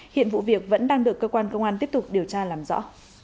hiện vụ việc vẫn đang được cơ quan công an tiếp tục điều tra làm rõ